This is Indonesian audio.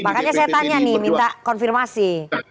makanya saya tanya nih minta konfirmasi